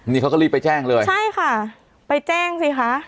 นี่เขาก็รีบไปแจ้งเลยใช่ค่ะไปแจ้งสิคะ